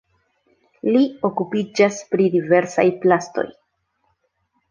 Li okupiĝas pri diversaj plastoj.